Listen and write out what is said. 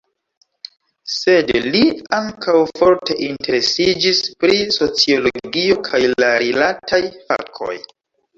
Sed li ankaŭ forte interesiĝis pri sociologio kaj la rilataj fakoj.